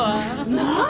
なあ。